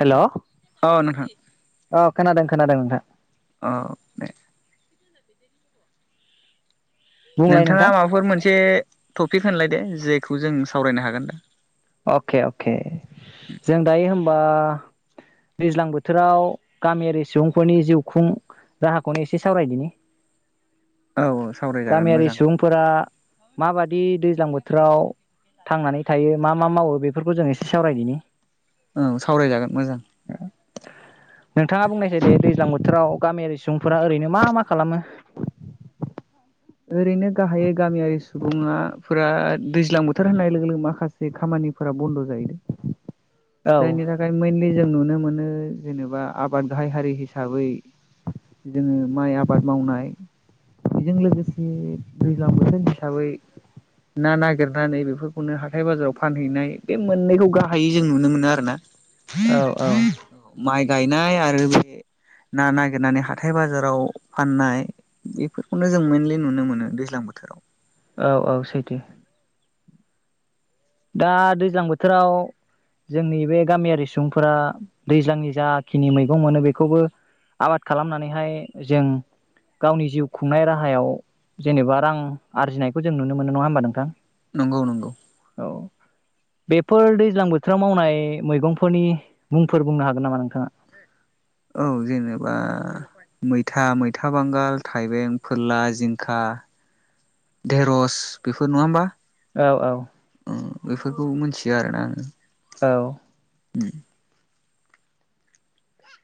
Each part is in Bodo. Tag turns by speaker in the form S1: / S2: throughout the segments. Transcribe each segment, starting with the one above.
S1: हेल'
S2: अ' नोंथां।
S1: खोनादों खोनादों नोंथां।
S2: अ' दे।
S1: बुंलाय
S2: नोंथाङा
S1: नोंथां
S2: माबाफोर मोनसे टपिक होनलाय। दे जेखौ जों सावरायनो हागोन दा।
S1: अके अके। जों दायो होम बा दैज्लां बोथोराव गामियारि सुबुंफोरनि जिउ खुं राहाखौनो एसे सावरायदिनि।
S2: औ औ सावरायजागोन
S1: गामियारि
S2: मोजां
S1: सुबुंफोरा माबादि दैज्लां बोथोराव थांनानै थायो? मा मा मावो बेफोरखौ जों एसे सावरायदिनि।
S2: औ सावरायजागोन मोजां।
S1: नोंथाङा बुंनायसै दे दैज्लां बोथोराव गामियारि सुबुंफोरा ओरैनो मा मा खालामो?
S2: ओरैनो गाहायै गामियारि सुबुङाफोरा दैज्लां बोथोर होनाय लोगो लोगो माखासे खामानिफोरा बन्द' जायो।
S1: औ
S2: जायनि थाखाय मोनलि जों नुनो मोनो जेनेबा आबाद गाहाय हारि हिसाबै जोङो माइ आबाद मावनाय बेजों लोगोसे बे दैज्लां बोथोर हिसाबै ना नागिरनानै बेफोरखौनो हाथाय बाजाराव फानहैनाय बे मोननैखौ गाहायै जों नुनो मोनो आरो ना।
S1: औ औ
S2: माइ गायनाय आरो बे ना नागिरनानै हाथाय बाजाराव फाननाय बेफोरखौनो जों मेनलि नुनो मोनो दैज्लां बोथोराव।
S1: औ औ सैथो दा दैज्लां बोथोराव जोंनि बे गामियारि सुबुंफोरा दैज्लांनि जाखिनि मैगं मोनो बेखौबो आबाद खालामनानैहाय जों गावनि जिउ खुंनाय राहायाव जेनेबा रां आरजिनायखौ जों नुनो मोनो नङा होमबा नोंथां?
S2: नंगौ नंगौ।
S1: औ बेफोर दैज्लां बोथोराव मावनाय मैगंफोरनि मुंफोर बुंनो हागोन नामा नों
S2: औ जेनेबा मैथा, मैथा बांगाल, थाइबें, फोरला, जिंखा, धेरहस बेफोर नङा होमबा?
S1: औ औ
S2: बेफोरखौ मिथियो आरोना आङो।
S1: औ।
S2: उम।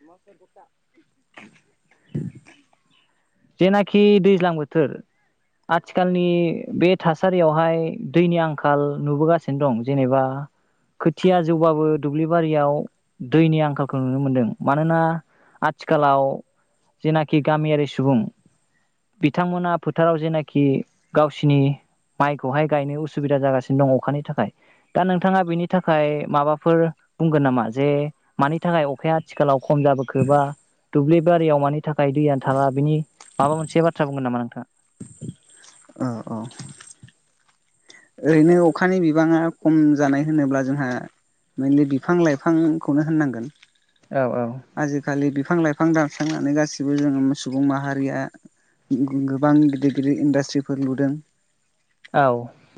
S2: [inaudible]
S1: जेनाखि दैज्लां बोथोर आथिखालनि बे थासारियावहाय दैनि आंखाल नुबोगासिनो दं जेनेबा खोथिया जौबाबो दुब्लिबारियाव दैनि आंखालखौ नुनो मोनदों मानोना आथिखालाव जेनाखि गामियारि सुबुं बिथांमोना फोथाराव जेनाखि गावसिनि माइखौहाय गायनो उसुबिदा जागासिनो दं अखानि थाखाय दा नोंथाङा बेनि थाखाय माबाफोर बुंगोन नामा जे मानि थाखाय अखाया आथिखालाव खम जाबोखो बा दुब्लि बारियाव मानि थाखाय दैयानो थाला बिनि माबा मोनसे बाथ्रा बुंगोन नामा नोंथाङा?
S2: ओ औ। ओरैनो अखानि बिबाङा खम जानाय होनोब्ला जोंहा मेनलि बिफां लाइफांखौनो होननांगोन।
S1: औ औ
S2: आजिखालि बिफां लाइ फां दानस्रांनानै गासिबो जों सुबुं माहारिया गोबां गिदिर गिदिर इन्डास्ट्रिफोर लुदों।
S1: औ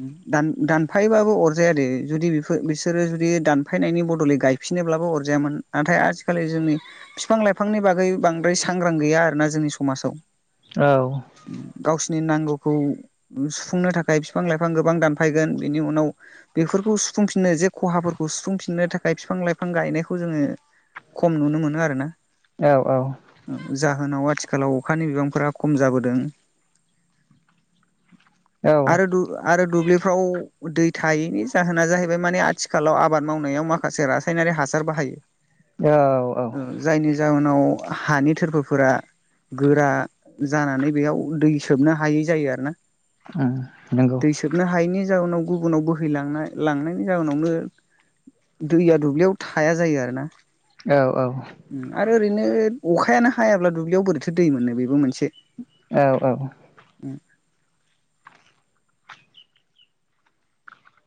S2: उम दान दानफायोबाबो अरजाया दे जुदि बिफोर बिसोरो जुदि दानफायनायनि बदलै गायफिनोब्लाबो अरजायामोन नाथाय आज खालि जोंनि बिफां लाइफांनि बागै बांद्राय सांग्रां गैया आरोना जोंनि समाजाव।
S1: औ
S2: उम गावसो नि नांगौखौ सुफुंनो थाखाय बिफां लाइफां गोबां दानफायगोन बेनि उनाव बेफोरखौ सुफुंफिननो जे खहाफोरखौ सुफुंफिननो थाखाय बिफां लाइफां गायनायखौ जोङो खम नुनो मोनो आरो ना।
S1: औ औ।
S2: होनाव आथिखालाव अखानि बिबांफोरा खम जाबोदों।
S1: औ
S2: आरो दु आरो दुब्लिफ्राव दै थायैनि जाहोना जाहैबाय माने आथिखालाव आबाद मावनायाव माखासे रासायनारि हासार बाहायो।
S1: औ औ ।
S2: नाव हानि थोरफोफोरा गोरा जानानै बेयाव दै सोबनो हायै जायो आरोना।
S1: उम नंगौ
S2: दै सोबनो हायैनि जाउनाव गुबुनाव बोहैलांना लांनायनि जाहोनावनो दैया दुब्लियाव थाया जायो आरो ना।
S1: औ औ
S2: उम आर ओरैनो अखायानो हायाब्ला दुब्लियाव बोरैथो दै मोनो बेबो मोनसे
S1: औ औ।
S2: उम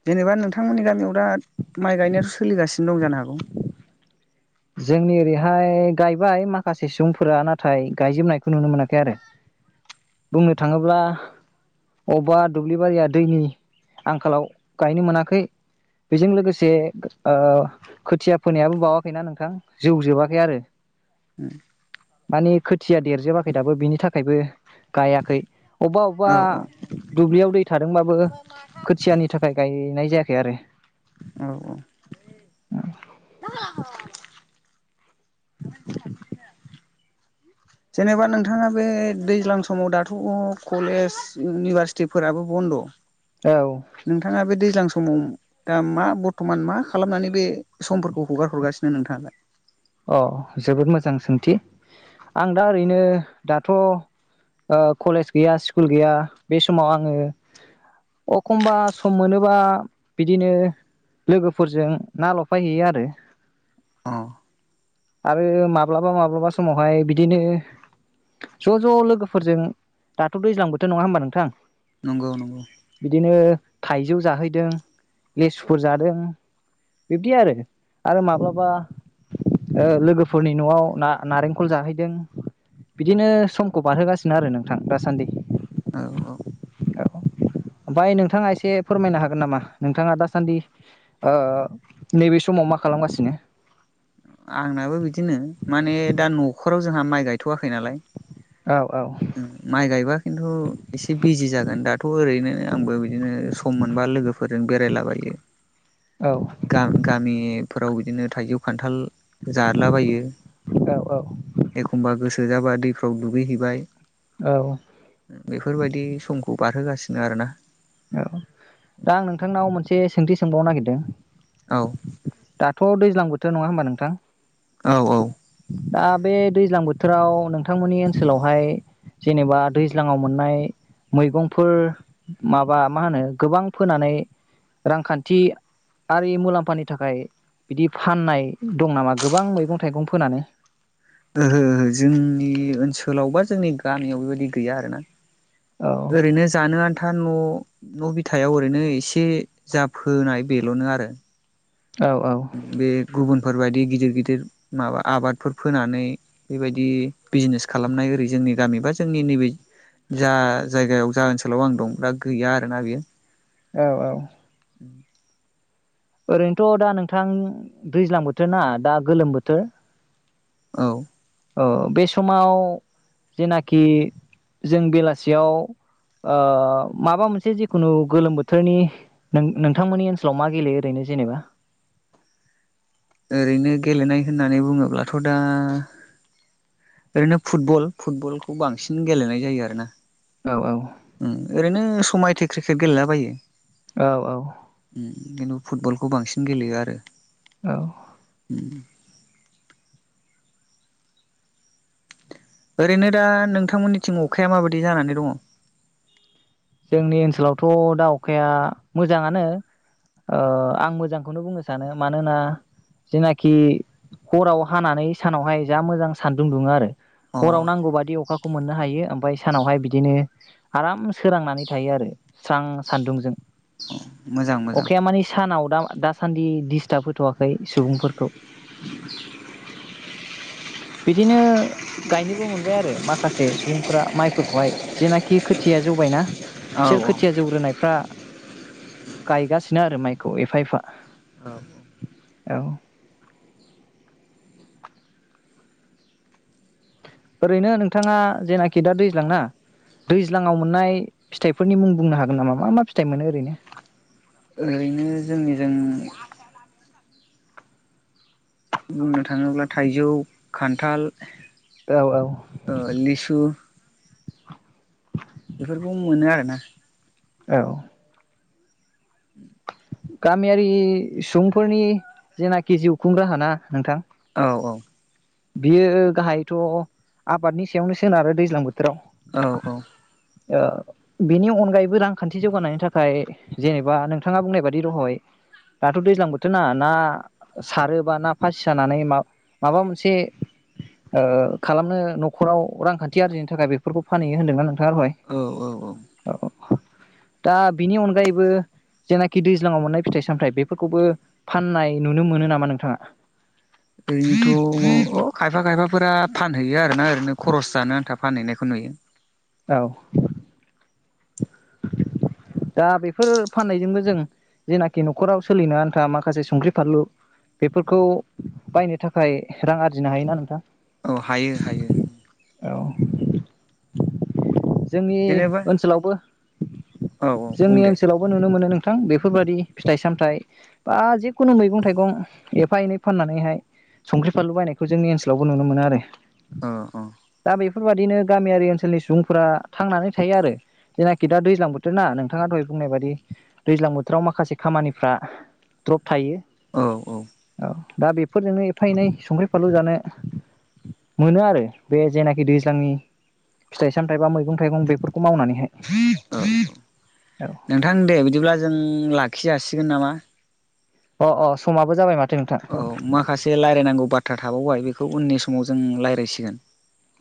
S2: जेनेबा नोंथांमोननि गामियाव दा माइ गायनायाथ' सोलिगासिनो दं जानो हागौ।
S1: जोंनि ओरैहाय गायबाय माखासे सुबुंफोरा नाथाय गायजोबनायखौ नुनो मोनाखै आरो बुंनो थाङोब्ला अबावबा दुब्लिबारिया दैनि आंखालाव गायनो मोनाखै बेजों लोगोसे ओ खोथिया फोनायाबो बावाखैना नों थां जौ जोबाखै आरो।
S2: उम
S1: मानि खोथ थिया देरजोबाखै दाबो बिनि थाखायबो गायाखै अबेबा अबेबा
S2: औ औ
S1: दुब्लियाव दै थादोंबाबो खोथियानि थाखाय गायनाय जायाखै [unintelligible] आरो
S2: औ औ जेनेबा नोंथाङा बे दैज्लां समाव दाथ' कलेज इउनिभारसिटि फोराबो बन्द'
S1: औ
S2: नोंथाङा बे दैज्लां समाव दा मा बर्थ'मान मा खालामनानै बे समफोरखौ हगार हरगासिनो नोंथांङालाय
S1: अ जोबोद मोजां सोंथि आं दा ओरैनो दाथ' ओ कलेज गैया स्कुल गैया बे समाव आङो अखमबा सम मोनोबा बिदिनो लोगोफोरजों ना लफायहैयो आरो
S2: अ
S1: आरो माब्लाबा-माब्लाबा समावहाय बिदिनो ज' ज' लोगोफोरजों दाथ' दैज्लां बोथोर नंङा होमबा नोंथां
S2: नंगौ नंगौ
S1: बिदिनो थाइजौ जाहैदों लेसुफोर जादों बिब्दि आरो आरो माब्लाबा ओ लोगोफोरनि न'आव न नारेंखल जाहैदों बिदिनो समखौ बारहोगासिनो आरो नोंथां दासान्दि
S2: औ औ
S1: औ ओमफ्राय नोंथाङा एसे फोरमायनो हागोन नामा नोंथाङा दासान्दि ओ नैबे समाव मा खालामगासिनो
S2: आंनाबो बिदिनो माने दा न'खराव जोंहा माइ गायथ'आखै नालाय
S1: औ औ
S2: माइ गायबा खिन्थु एसे बिजि जागोन दाथ' ओरैनो आंबो बिदिनो सम मोनबा लोगोफोर फोरजों बेरायलाबायो
S1: औ
S2: गा गामि फोराव बिदिनो थाइजौ खान्थाल जादलाबायो
S1: औ औ
S2: एखमबा गोसो जाबा दैफ्राव दुगैहैबाय
S1: औ
S2: बेफोर बायदि समखौ बारहोगासिनो सिनो आरोना
S1: औ दा आं नोंथांनाव मोनसे सोंथि सोंबावनो नागिरदों
S2: औ औ
S1: दाथ' दैज्लां बोथोर नङा होमबा नोंथां
S2: औ ओहो
S1: दा बे दैज्लां बो बोथोराव नों थांमोननि ओनसोलावहाय जेनेबा दैज्लांङाव मोननाय मैगंफोर माबा मा होनो गोबां फोनानै रांखान्थि आरि मुलाम्फानि थाखाय बिदि फाननाय दं नामा गोबां मैगं-थाइगं फोनानै
S2: ओहो ओहो जोंनि ओनसोलाव बा जोंनि गामियाव बेबायदि गैया आरोना।
S1: औ
S2: ओरैनो जानो आन्था न' न' बिथायाव ओरैनो एसे जाफोनाय बेल'नो आरो
S1: औ
S2: बे गुबुनफोर बायदि गि दिर गिदिर माबा आबादफोर फोनानै बेबायदि बिजनेस खालामनाय ओरै जोंनि गामि बा जोंनि नैबे जा जायगायाव जा ओनसोलाव आं दं दा गैया आरोना बियो
S1: औ औ। ओरैनोथ' दा नोंथां दैज्लां बोथोर ना दा गोलोम बोथोर।
S2: औ
S1: औ बे समाव जेनाखि जों बेलासियाव ओ माबा मोनसे जिखुनु गोलोम बोथोरनि नों नोंथांमोननि ओनसोलाव मा गेलेयो ओरैनो जेनेबा?
S2: ओरैनो गेलेनाय होननानै बुङोब्लाथ' दा ओरैनो फुटबल फुटबलखौ बांसिन गेलेनाय जायो आरोना।
S1: औ औ।
S2: उम ओरैनो समायथे क्रिकेट गेलेलाबायो।
S1: औ औ
S2: उम बेेन फुटबलखौ बांसिन गेलेयो आरो।
S1: औ
S2: उम। ओरैनो दा नोंथांमोननिथिं अखाया माबायदि जानानै दङ?
S1: जोंनि ओनसोलावथ' दा अखाया मोजांङानो ओ आं मोजांखौनो बुंनो सानो मानोना जेनाखि हराव हानानै सानावहाय जा मोजां सान्दुं दुङो आरो।
S2: अ
S1: हराव नांगौ बादि अखाखौ मोननो हायो ओमफाय सानावहाय बिदिनो आराम सोरांनानै थायो आरो स्रां सान्दुंजों।
S2: मोजां मोजां
S1: अखाया माने सानाव दा दासान्दि दिडिस्टाब होथ'वाखै सुबुंफोरखौ। बिदिनो गायनोबो मोनबाय आरो माखासे सुबुंफोरा माइफोरखौहाय जेनाखि खोथिया जौबायना।
S2: औ
S1: बिसोर
S2: औ
S1: खोथिया जौग्रोनायफ्रा गायगासिनो आरो माइखौ एफा एफा औ। ओरैनो नोंथाङा जेनाखि दा दैज्लां ना दैज्लांङाव मोननाय फिथाइफोरनि मुं बुंनो हागोन नामा मा मा फिथाइ मोनो ओरैनो?
S2: ओरैनो जोंनिजों बुंनो थाङोब्ला थाइजौ, खान्थाल
S1: औ औ
S2: ओ लिसु बेफोरखौ मोनो आरोना।
S1: औ
S2: उ
S1: गामियारि सुबुंफोरनि जेनाखि जिउ खुंराहा ना नोंथां।
S2: औ औ
S1: बियो गाहायथ' आबादनि सायावनो सोनारो दैज्लां बोथोराव।
S2: औ औ
S1: बेनि अनगायैबो रांखान्थि जौगानायनि थाखाय जेनेबा नोंथाङा बुंनाय बादि दहय दाथ' दैज्लां बोथोर ना ना सारोबा ना फासि सानानै म माबा मोनसे एसे खालामनो न'खराव रांखान्थि आरजिनो थाखाय बेफोरखौ फानहैयो होन्दों ना नोंथां।
S2: औ औ औ
S1: दा बिनि अनगायैबो जेनाखि दैज्लांआव मोननाय फिथाइ सामथायाइ बेफोरखौबो फाननाय नुनो मोनो नामा नोंथाङा?
S2: ओरैनोथ' दङ अ खायफा खायफाफोरा फानहैयो आरोन ओरैनो खरस जानो आन्था फानहैनाय। [unintelligible] नुयो।
S1: औ दा बेफोर फाननायजोंबो जों जेनाखि न'खराव सोलिनो आनथा माखासे संख्रि फानलु बेफोरखौ बायनो थाखाय रां आरजिनो हायोना नोंथां।
S2: औ हायो हायो।
S1: औ जोंनि
S2: जेनेबा
S1: ओनसोलावबो
S2: औ औ बुं
S1: जोंनि
S2: दे
S1: ओनसोलावबो नुनो मोनो नों नोंथां बेफोरबायादि फिथाइ सामथायाइ बा जिखुनु मैगं थाइगं एफा एनै फाननानैहाय संख्रि फानलु बायनायखौ जोंनि ओनसोलावबो नुनो मोनो आरो।
S2: औ औ
S1: दा बेफोरबादिनो गामियारि ओनसोलनि सुबुं फोरा थांनानै थायो आरो जेनाखि दा दैज्लां बोथोर ना नोंथाङा दहाय बुंनाय बायदि दैज्लां बोथोराव माखासे खामानिफ्रा द्रप थायो
S2: औ औ
S1: औ- दा बेफोरजोंनो एफा एनै संख्रि फानलु जानो मोनो आरो बे जेनाखि दैज्लांनि फिथाइ सामथाय बा मैगं थाइगं बेफोरखौ मावनानैहाय।
S2: औ औ नोंथां दे बिदिब्ला जों लाख खि जासिगोन नामा?
S1: अ अ समाबो जाबाय माथो- नोंथां
S2: औ माखासे रायलायनांगौ बाथ्रा थाबावबाय बेखौ उननि सम समाव जों रायज्लायसिगोन।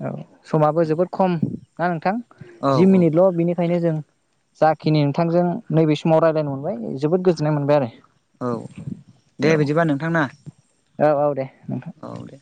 S1: औ समाबो जोबोद खम ना नोंथां
S2: औ
S1: जि मिनिटल' बिनि खायनो जों जाखिनि नोंथांजों नैबे समाव रायज्लायनो मोनबाय जोबोद गोजोननाय मोनबाय आरो।
S2: औ औ दे बिदिबा नोंथां ना
S1: औ औ दे
S2: औ दे।